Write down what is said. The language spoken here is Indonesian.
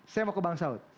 saya mau ke bang saud